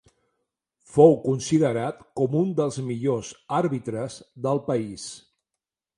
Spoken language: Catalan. Fou considerat com un dels millors àrbitres del país.